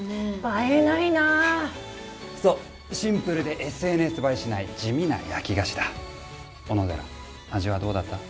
映えないなあそうシンプルでＳＮＳ映えしない地味な焼き菓子だ小野寺味はどうだった？